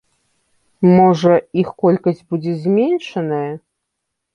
Можа, іх колькасць будзе зменшаная.